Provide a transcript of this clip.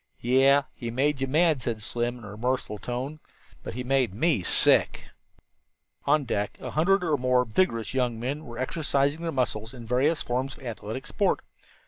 "Yeh, he made you mad," said Slim in a remorseful tone, "but he made me sick." On deck a hundred or more vigorous young men were exercising their muscles in various forms of athletic sport.